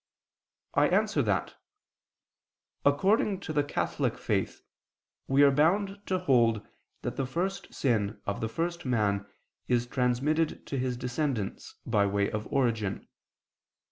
I answer that, According to the Catholic Faith we are bound to hold that the first sin of the first man is transmitted to his descendants, by way of origin.